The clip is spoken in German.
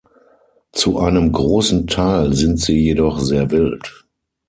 Zu einem großen Teil sind sie jedoch sehr wild.